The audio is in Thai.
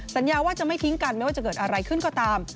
สัญญาว่าจะไม่ทิ้งกันไม่ว่าจะเกิดอะไรขึ้นก็ตาม